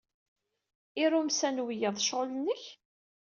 Irumsa n wiyaḍ d ccɣel-nnek?